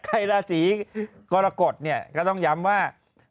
ราศีกรกฎเนี่ยก็ต้องย้ำว่า